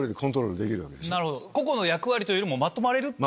個々の役割というよりもまとまれるっていう。